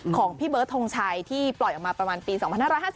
ของพี่เบิร์ดทงชัยที่ปล่อยออกมาประมาณปี๒๕๕๘